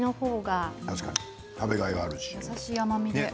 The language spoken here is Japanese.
確かに食べがいがある。